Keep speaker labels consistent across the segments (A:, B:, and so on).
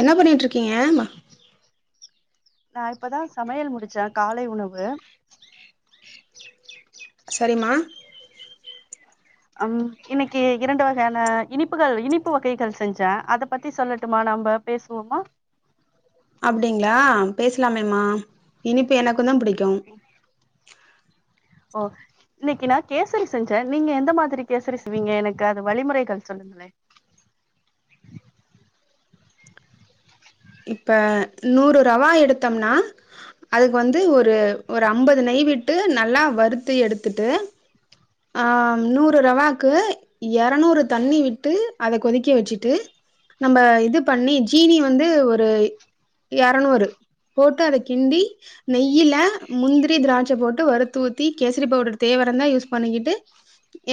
A: என்ன பண்ணிகிட்ருக்கீங்க
B: நா இப்பதா சமையல் முடிச்ச காலை உணவு
A: சரிம்மா
B: ஹம் இன்னைக்கு இரண்டு வகையான இனிப்புகள் இனிப்பு வகைகள் செஞ்ச அதப்பத்தி சொல்லட்டுமா நம்ப பேசுவோமா
A: அப்டிங்களா பேசலாமேமா இனிப்பு எனக்குந்தா புடிக்
B: ஒ இன்னைக்கு நா கேசரி செஞ்ச நீங்க எந்த மாதிரி கேசரி செய்வீங்க எனக்கு அது வழிமொறைகள் சொல்லுங்களே
A: இப்ப நூறு ரவா எடுத்தம்னா அதுக்கு வந்து ஒரு ஒரு அம்பது நெய் விட்டு நல்லா வறுத்து எடுத்துட்டு அஹ் நூறு ரவாக்கு எறநூறு தண்ணி விட்டு அதை கொதிக்க வச்சிட்டு நம்ம இது பண்ணி ஜீனி வந்து ஒரு எறநூறு போட்டு அத கிண்டி நெய்யில முந்திரி திராட்ச போட்டு வறுத்து ஊத்தி கேசரி பவுடரு தேவருந்தா யூஸ் பண்ணிக்கிட்டு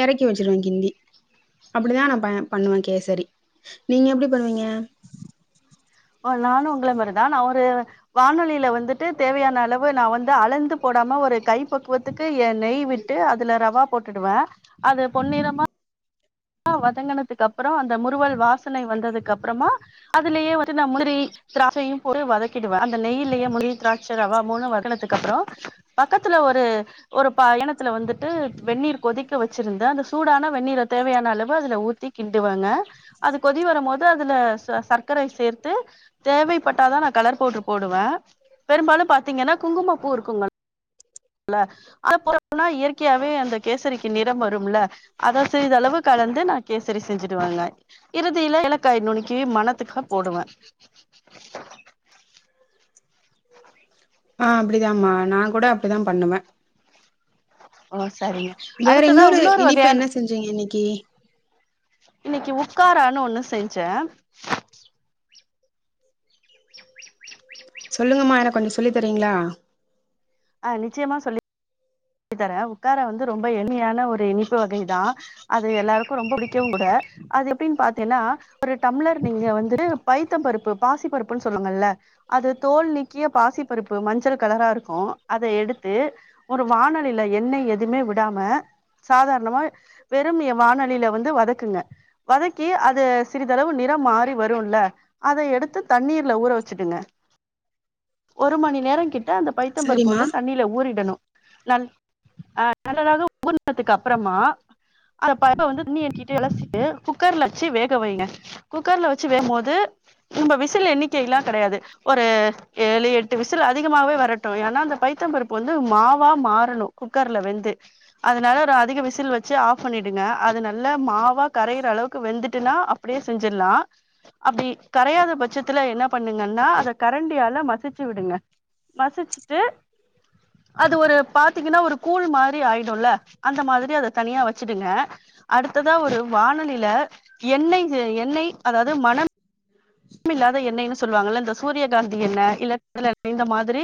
A: எறக்கி வெச்சிருவ கிண்டி அப்படிதா நா பே பண்ணுவ கேசரி நீங்க எப்டி பண்ணுவீங்க
B: அஹ் நானு உங்கள மாரிதா நா ஒரு வானொலியில வந்துட்டு தேவையான அளவு நா வந்து அளந்து போடாம ஒரு கைப்பக்குவத்துக்கு எ நெய் விட்டு அதுல ரவா போட்டுடுவ அது பொன்னிறமா மா வதங்கனதுக்கு அப்புறோ அந்த முறுவல் வாசனை வந்ததுக்கு அப்பறமா அதுலயே வந்துட்டு நா முந்திரி திராட்சயு போட்டு வதக்கிடுவ அந்த நெய்யிலயே முந்திரி திராட் ச்ச ரவா மூணு வதக்கனதுக்கப்றோ பக்கத்துல ஒரு ஒரு பா எனக் பக்கத்துல வந்துட்டு வெந்நீர் கொதிக் க வெச்சிருந்த அந்த சூடான வெநீரத் தேவையான் ன அளவு அதுல ஊத்தி கிண்டுவங்க அது கொதி வரம் போது அதுல சர்க்கரை சேர்த்து தேவைப்பட்டாதா நா கலர் பவுடர் போடுவ பெரும்பாலும் பாத்தீங்கன்னா குங்கும பூருக்குங்கள் ல அது போட்டோனா இயற்கையாவே அந்த கேசரிக்கி நிறம் வரும்ல அத சிறிதளவு கலந்து நா கேசரி செஞ்சிடுவங்க இறுதியில ஏலக்காய நுனிக் கி மனத்துக்க போடுவ
A: அஹ் அப்படிதாமா நான் கூட அப்படிதான் பண்ணுவேன்
B: ஓ ஆர்
A: வேற இன்னொரு இனிப்பு என்ன செஞ்சீங்க இன்னி கே
B: இன்னைக்கு உட்காரான்னு ஒன்னு செஞ்சேன்
A: சொல்லுங்கம்மா எனக்கு கொஞ்சம் சொல்லித்தரீங்களா
B: அஹ் நிச்சயமா சொல்லி சொல்லி தர உட்காரா வந்து ரொம்ப எளிமையான ஒரு இனிப்பு வகைதான் அது எல்லாருக்கும் ரொம்ப பிடிக்கவும் கூட அது எப்படின்னு பார்த்தீங்ன்னா ஒரு டம்ளர் நீங்க வந்து பைத்தம் பருப்பு பாசி பருப்புன்னு சொல்லுவாங்கல்ல அது தோல் நீக்கிய பாசி பருப்பு மஞ்சள் கலரா இருக்கும் அத எடுத்து ஒரு வானலியில எண்ணெய் எதுவுமே விடாம சாதாரணமா வெறும் வானலியில வந்து வதக்குங்க வதக்கி அதை சிறிதளவு நிறம் மாறி வரும்ல அத எடுத்து தண்ணீர்ல ஊற வச்சுடுங்க ஒரு மணி நேரம் கிட்ட அந்த பைத்தம்பருப்பு
A: சரிம்மா
B: வந்து தண்ணியில ஊறிடணும் நல் அஹ் நல்லதாக உறுனதுக்கு அப்புறமா அந்தப் பருப்ப வந்து உமியை நீக்கிட்டு அளசிட்டு குக்கர்ல வச்சு வேக வைங்க குக்கர்ல வச்சு வேகும் போது நம்ம விசில் எண்ணிக்கை எல்லாம் கிடையாது ஒரு ஏழு எட்டு விசில் அதிகமாவே வரட்டும் ஏன்னா அந்த பைத்தம்பருப்பு வந்து மாவு பூவா மாறணும் குக்கர்ல வெந்து அதனால ஒரு அதிக விசில் வச்சு ஆஃப் பண்ணிடுங்க அது நல்ல மாவா கரைையுற அளவுக்கு வெந்துட்டுன்னா அப்படியே செஞ்சிடலாம் அப்படி கரையாத பட்சத்துல என்ன பண்ணுங்கன்னா அதை கரண்டியால மசிச்சு விடுங்க மசிச்சுட்டு அது ஒரு பாத்தீங்கன்னா ஒரு கூழ் மாரி ஆயிடும்ல அந்த மாதிரி அத தனியா வச்சுடுங்க அடுத்ததா ஒரு வானலியில எண்ணெய் எண்ணெய் அதாவது மனம் மின் இல்லாத எண்ணைன்னு சொல்லுவாங்கல்ல இந்த சூரியகாந்தி எண்ணை இல்லை இந்த மாதிரி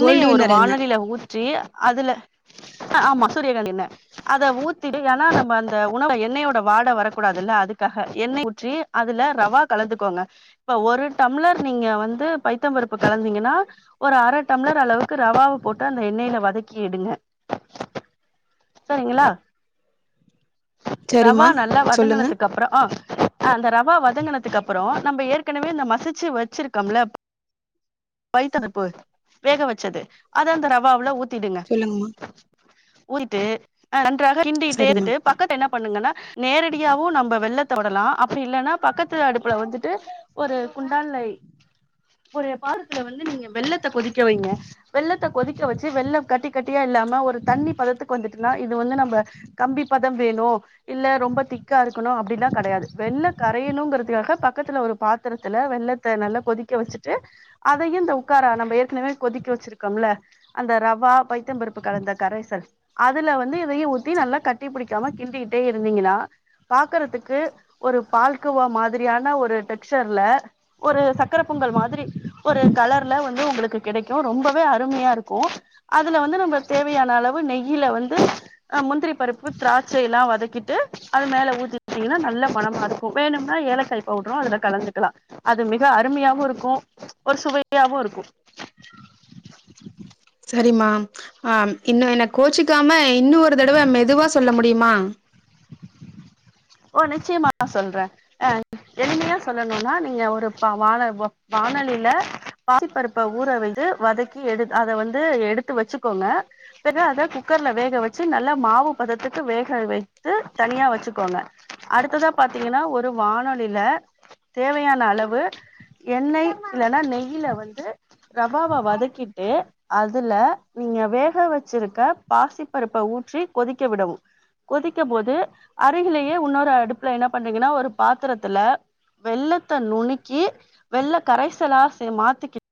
A: கோல்டு
B: ஒரு
A: வின்னர் என்ன
B: வானலியில ஊற்றி அதுல ஆமா சூரியகாந்தி எண்ணெய் அதை ஊத்திட்டு ஏன்னா நம்ம அந்த உணவுல எண்ணெய்யோட வாடை வரக்கூடாதுல்ல அதுக்காக எண்ணெய் ஊற்றி அதுல ரவா கலந்துக்கோங்க இப்ப ஒரு டம்ளர் நீங்க வந்து பைத்தம் பருப்பு கலந்தீங்கன்னா ஒரு அரை டம்ளர் அளவுக்கு ரவாவை போட்டு அந்த எண்ணெயில வதக்கி எடுங்க சரிங்களா ரவா
A: சரிம்மா
B: நல்லா
A: சொல்லுங்க
B: வதங்கினதுக்கு அப்புறம் அந்த ரவா வதங்கினதுக்கு அப்புறம் நம்ம ஏற்கனவே இந்த மசிச்சு வச்சிருக்கோம்ல பைத்தம் பருப்பு வேக வச்சது அதை அந்த ரவாவுல ஊத் திடுங்க
A: சொல்லுங்கம்மா
B: திட்டு அஹ் தக கிண்டிட்டு
A: சரிம்மா
B: இருந்துட்டு பக்கத்து என்ன பண்ணுங்கன்னா நேரடியாவும் நம்ம வெல்லத்த த்த விடலாம் அப் இல்லனா பக்கத்து அடுப்புல வெச்சு து ஒரு குண்டான்ல ஒரு பாத்தரதுல வந்து நீங்க வெள்ளத்த கொதிக்க வைங்க வெள்ளத்த கொதிக்க வச்சு வெள்ள கட்டி கட்டியா இல்லாம ஒரு தண்ணி பதத்துக் வந்துட்டுனா இது வந்து நம்ப கம்பி பதம் வேணு இல்ல ரொம்ப திக்கா இருக்கனோ அப்டினா கடையாது வெள்ள கரையணுங்கிறதுக்காக பக்கத்துல ஒரு பாத்துரத்துல வெள்ளத்த நல்லா கொதிக்க வெச்சுட்டு அதையு இந்த உட்காரா நம்ம ஏற்கனவே கொதிக்க வெச்சிருக்கோம்ல அந்த ரவா பைத்தம்பருப்பு கலந்த கரைசல் அதுல வந்து நெய் ஊத்தி நல்லா கட்டி புடி மா கிண்டிட்டே இருந்தீங்கன்னா பாத் க்றதுக்கு ஒரு பால்கோவா மாதிரியான ஒரு ஸ்டக்ஜர்ல ஒரு சக்கர பொங்கல் மாதிரி ஒரு கலர்ல வந்து உங்களுக்கு கிடைக்கு ரொம்பவே அருமையா இருக்கு அதுல வந்து நம்ம தேவையான அளவு நெய் கீல வந்து முந்திரி பருப்பு திராட்சை எல்லா வதக்கிட்டு அது மேல ஊத்திட்டீங்கன்னா நல்ல மனமா இருக்கு வேணும்னா ஏலக்காய் பவுடரு அதுல கலந்துக்கலா அது மி அருமையாவும் இருக்கும் ஒரு சுவையாவும் இருக்கு
A: சரிம்மா ஆ இன்னு என்ன கோச்சிக்காம இன்னு ஒரு தடவ மெதுவா சொல்ல முடியுமா
B: ஓ நிச்சயமா சொல்ற அ எளிமையா சொல்லணும்னா நீங்க ஒரு ப வான வா வானலில பாசிப்பருப்ப ஊற வித்து வதக்கி எடு அத வந்து எடுத்து வெச்சுக்கோங்க பிறகு அத குக்கர்ல வேக வச்சு நல்லா மாவு பதத்துக்கு வேக வைத்து தனியா வெச்சுக்கோங்க அடுத்ததா பாத்தீங்கன்னா ஒரு வானொலில தேவையான அளவு எண்ணெய் இல்லனா நெய்யில வந்து ரவ்வாவ வதக்கிட்டு அதுல நீங்க வேக வெச்சுருக்க பாசி பருப்ப ஊற்றி கொதிக்க விடவு கொதிக்க போது அருகிலேயே லேயே இன்னொரு அடுப்புல என்ன பண்றீங்கன்னா ஒரு பாத்துரத்துல வெல்லத் த்த நுனக்கி வெல்ல கரைசலா சே மாத்திகிட்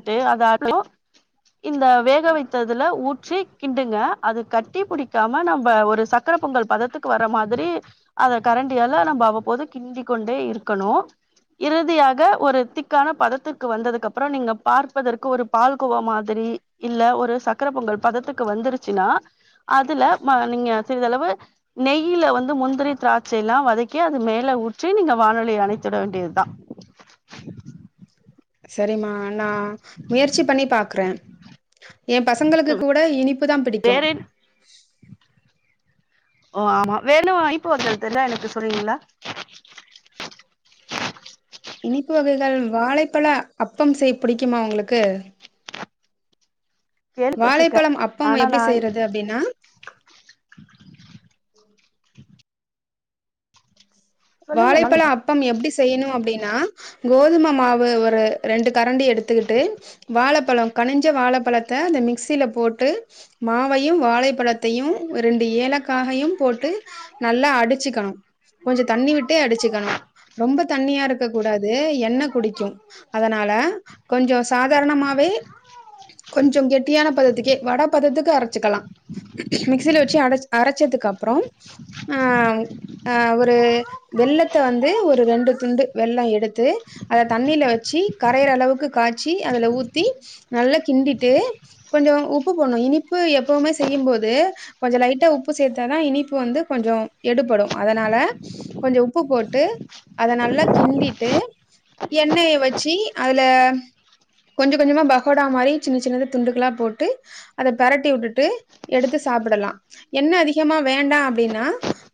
B: ட்டு அத [unintelligible] இந்த வேக வைத்ததுல ஊற்றி கிண்டுங்க அது கட் தீ புடிக்காம நம்ப ஒரு சக்கர பொங்கல் பதத்துக்கு வர்ற மாதிரி அத கரண்டியால நம்ப அவ்வப்போது கிண்டி கொண்டே இருக்கணு இறுதியா க ஒரு திக்கான பதத்துக்கு வந்ததுக்கு அப்றோ நீங்க பார்ப்பதற்கு ஒரு பால்கோவா மாதிரி இல்ல ஒரு சக்கர பொங்கல் பதத்துக்கு வந்துருச்சுன்னா அதுல ம நீங்க சிறிதளவு நெய்யில வந்து முந்திரி திராட்சையிலா வதக்கி அது மேல ஊற்றி நீங்க வானொலிய அணைத்து விட வேண்டியதுதா
A: செரிமா நா முயற்சி பண்ணி பாக்குறே உ பசங்களுக்கு கூட இனிப்புதா பிடிக்கு
B: வேற என் ஓ ஆமா வேனோ [unintelligible] எனக்கு சொல்னீங்களா
A: இனிப்பு வகைகள் வாழைப்பழ அப்பம் செய்ய புடிக்குமா உங்களுக்கு
B: கேள்விப்பட்டிருக்கே
A: வாழைப்பழம் அப்பம்
B: ஆனா
A: எப்டி
B: நா
A: செய்றது அப்டின்னா
B: சொல்லுங்க நானு
A: வாழைப்பழ அப்பம் எப்டி செய்யணு அப்டினா கோதும மாவு ஒரு ரெண்டு கரண்டி எடுத்துக்குட்டு வாழப்பழோ கனிஞ்ச வாழப்பழத்த அந்த மிக்சியில போட்டு மாவையு வாழைப்பழத்தையு ரெண்டு ஏலக்காகையும் போட்டு நல்லா அடிச்சுக்கணு கொஞ்சோ தண்ணி விட்டே அடிச்சுக்கணு ரொம்ப தண்ணியா இருக்க கூடாது எண்ணெ குடிக்கு அதனால கொஞ்சோ சாதாரணமாவே கொஞ்சோ கெட்டியான பதத்துக்கே வட பதத்துக்கு அரச்சுக்கலா மிக்சில வச்சு அடச் அரச்சதுக்கு அப்றம் அ அ ஒரு வெல்லத்த வந்து ஒரு ரெண்டு துண்டு வெல்லோ எடுத்து அத தண்ணீல வச்சு கரையுற அளவுக்கு காய்ச்சி அதுல ஊத்தி நல்லா கிண்டிட்டு கொஞ்சோ உப்பு போட்னோ இனிப்பு எப்போமே செய்யும்போது கொஞ்சோ லைட்டா உப்பு சேத்ததா இனிப்பு வந்து கொஞ்சோ எடுபடு அதனால கொஞ்சோ உப்பு போட்டு அத நல்லா கிண்டிட்டு எண்ணெய வச்சு அதுல கொஞ்சோ கொஞ்சமா பகோடா மாரி சின்ன சின்னத துண்டுகல்லா போட்டு அத பெரட்டி வுட்டுட்டு எடுத்து சாப்புடலா எண்ணெ அதிகமா வேண்டா அப்டின்னா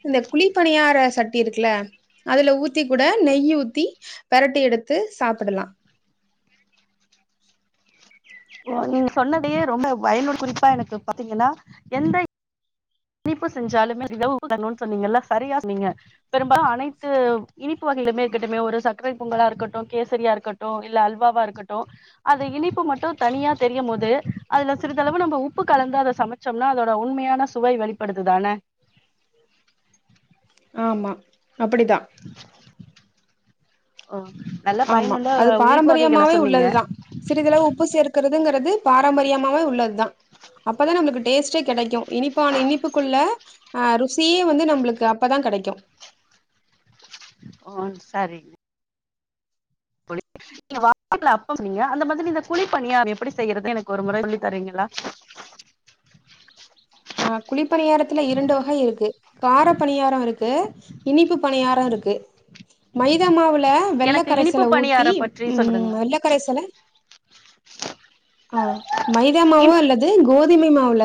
A: இந்த குழிப்பணியார சட் இருக்குல அதுல ஊத்தி கூட நெய் ஊத்தி பெரட்டி எடுத்து சாப்புடலா
B: ஓ நீங்க சொன்னதையே ரொம்ப பயனுள்ள குறிப்பா எனக்கு பாத்தீங்கன்னா எந்த இ இனிப்பு செஞ்சாலுமே [unintelligible] சொன்னீங்கல்ல சரியா சொன்னீங்க பெரும்பாலு அனைத்து இனிப்பு வகையுலமே இருக்கட்டுமே ஒரு கரை பொங்கலா இருக்கட்டு கேசரியா இருக்கட்டு இல்ல அல்வாவா இருக்கட்டு அத இனிப்பு மட்டு தனியா தெரியும் போது அதுல சிறிதளவு நம்ம உப்பு கலந்து அத சமைச்ஜம்னா அதோட உண்மையான சுவை வெளி படுதுதான
A: ஆமா அப்புடிதா
B: அ
A: ஆமா அது பாரம்பரியமாவே
B: சொன்னீங்க
A: உள்ளதுதா சிறிதளவு உப்பு சேர்க்குறதுங்கிறது பாரம்பரியமாவே உள்ளதுதா அப்பதா நம்மளுக்கு டேஸ்ட்டே கெடைக்கும் இனிப்பான இனிப்புக்குள்ள அ ருசியே வந்து நம்மளுக்கு அப்பதா கெடைக்கும்
B: ஓ சரி நீங்க வல அப்பம் நீங்க அந்த மாதிரி இந்த குழிப்பணியாரோ எப்புடி செய்யுறது எனக்கு ஒரு முறை சொல்லித்தரீங்களா
A: ஆ குளிப்பணியாரத்துல இரண்டு வகை இருக்கு கார பணியாரோ இருக்கு இனிப்பு பணியாரோ யாரோ இருக்கு மைத மாவுல ல
B: எனக்கு இனிப்பு
A: வெல்லக்கரைசல ஊத்தி
B: பணியாரம் பற்றி
A: உம்
B: சொல்லுங்களேன்
A: வெல்லக்கரைசல ஆ மைதாமாவு
B: இன்
A: அல்லது கோது மிமி மாவுல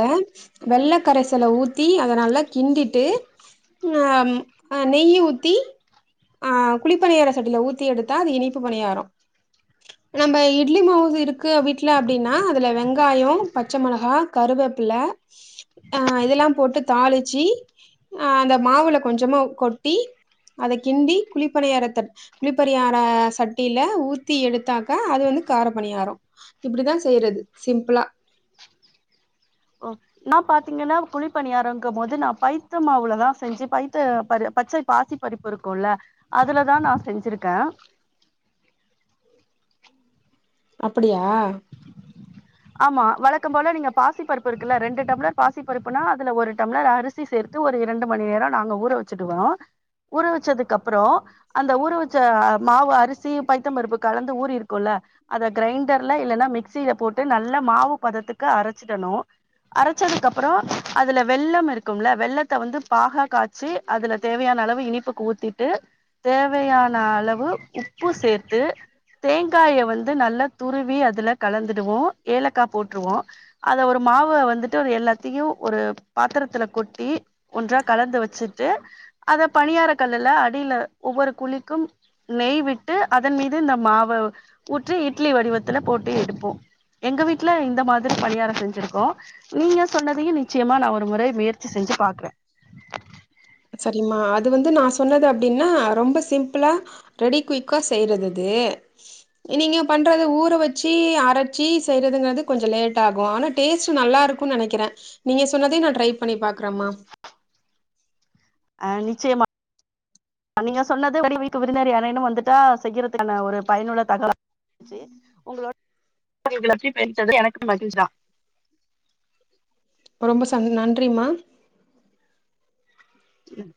A: வெள்ளக்கரைசல ஊத்தி அத நல்லா கிண்டிட்டு ம் ஆ நெய்ய ஊத்தி ஆ குளிப்பனியார சட்டில ஊத்தி எடுத் அது இனிப்பு பணியாரோ நம்ம இட்லி மாவு இருக்கு வீட்ல அப்டின்னா அதுல வெங்காயோ பச்ச மோளகா கருவேப்பில அ இதெல்லா போட்டு தாளிச்சு அ அந்த மாவுல கொஞ்சமா கொட்டி அத கிண்டி குளிப்பணியார குளிப்பணியார சட்டில ஊத்தி எடுத்தாக்க அது வந்து கார பணியாரோ இப்டித்தா செய்யறது சிம்பிளா
B: ஆ என்னா பாத்தீங்கனா குழி பணியாரங்க போது நா பைத்த மாவுலதா செஞ்சி பைத்த பறு பச்சை பாசி பறுப்பு இருக்குல்ல அதுலதா நா செஞ்சிருக்கே
A: அப்படியா
B: ஆமா வழக்கம் போல நீங்க பாசி பருப்பு இருக்குல்ல ரெண்டு டம்ளர் பாசி பருப்புனா அதுல ஒரு டம்ளர் அரிசி சேர்த்து ஒரு இரண்டு மணி நேரம் நாங்க ஊற வச்சுட்டுவோ ஊற வச்சதுக்கு அப்புறோ அந்த ஊற வச்ச மாவு அரிசியு பைத்தம் பருப்பு கலந்து ஊறி இருக்குல்ல அத கிரைண்டர்ல இல்லன்னா மிக்சில போட் டு நல்ல மாவு பதத்துக்கு அரச்சிடனு அரச்சதுக்கு அப்புறோ அதுல வெள்ளம் இருக்கும்ல வெள்ளத்த வந்து பாகா காய்ச்சி அதுல தேவையான அளவு இனிப்புக்கு ஊத்திட்டு தேவையான அளவு உப்பு சேர்த்து தேங்காய வந்து நல்லா துருவி அதுல கலந்துடுவோ ஏலக்கா போட்டுருவோ அத ஒரு மாவ வந்துட்டு ஒரு எல்லாத்தையு ஒரு பாத்திரத்துல கொட்டி ஒன்றா கலந்து வச்சுட்டு அத பனியார கல்லுல அடியில ஒவ்வொரு குழிக்கும் நெய் விட்டு அதன் மீது இந்த மாவ ஊற்றி இட்லி வடிவத்துல போட்டு எடுப்போ எங்க வீட்டுல இந்த மாதிரி பணியாரம் செஞ்சிருக்கோ நீங்க சொன்னதையு நிச்சயமா நா ஒரு முறை முயற்சி செஞ்சு பாக்குறே
A: சரிம்மா அது வந்து நா சொன்னது அப்படின்னா ரொம்ப சிம்பிளா ரெடி குயிக்கா செய்யறதது நீங்க பண்றது ஊற வச்சு அரச்சி செய்யறதுங்கறது கொஞ்ச லேட் ஆகு ஆனா டேஸ்ட் நல்லா இருக்குன்னு நெனைக்கிறே நீங்க சொன்னதையு நான் டரை பண்ணி பாக்குறேமா
B: அ நிச்சயமா நீங்க சொன்னது வ வக்கு விருந்தாழி யாரேனும் வந்துட்டா செய்யறதுக்கான ஒரு பயனுல தகவலா இருந்துச்சி உங்களோடது எனக்கு மகி்ழ்ச்சி தா
A: ரொம்ப ச நன்றிமா
B: ம்